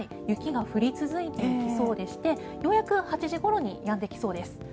雪が降り続いていきそうでしてようやく８時ごろにやんできそうです。